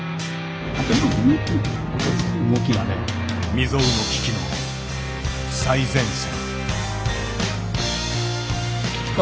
未曽有の危機の最前線。